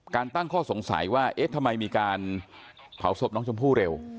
ตั้งข้อสงสัยว่าเอ๊ะทำไมมีการเผาศพน้องชมพู่เร็ว